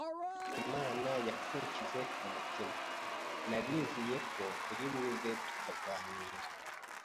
Imana yakunshyize ku mutima, nari nizeye ko uri buze tukaganira